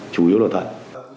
chủ yếu nội tạng